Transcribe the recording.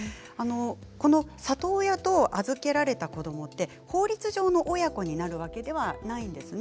この里親と預けられた子どもって法律上の親子になるわけではないんです。